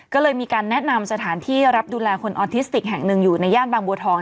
ก็เลยมีการแนะนำสถานที่รับดูแลคนออทิสติกแห่งหนึ่งอยู่ในย่านบางบัวทอง